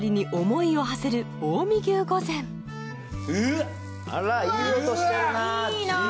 いいな。